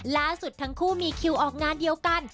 ล่าสุดทั้งคู่มีคิวออกงานเดียวกัน